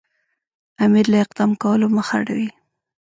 امیر له اقدام کولو مخ اړوي.